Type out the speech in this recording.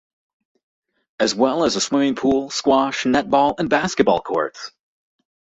As well as a swimming pool, squash, netball and basketball courts.